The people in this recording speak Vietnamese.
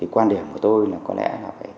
của tôi là có lẽ là